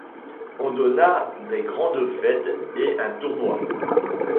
On donna des grandes fêtes et un tournoi.